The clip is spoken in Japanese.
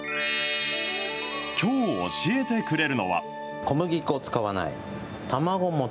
きょう教えてくれるのは。